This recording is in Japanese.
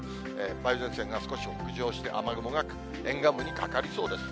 梅雨前線が少し北上して、雨雲が沿岸部にかかりそうです。